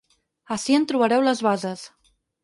Ací en trobareu les bases.